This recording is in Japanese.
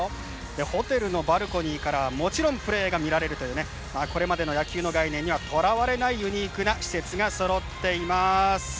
ホテルのバルコニーからはもちろんプレーが見られるというこれまでの野球の概念にはとらわれないユニークな施設がそろっています。